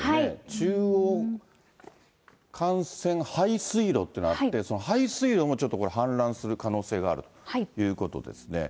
中央幹線排水路っていうのがあって、その排水路もちょっと氾濫する可能性があるということですね。